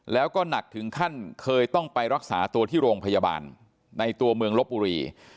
แล้วก็หนักถึงขั้นเคยต้องไปรักษาตัวที่โรงพยาบาลในตัวเมืองลบบุรี